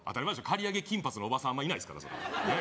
刈り上げ金髪のおばさんあんまいないですから